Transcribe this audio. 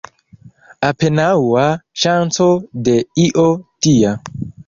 Apenaŭa ŝanco de io tia.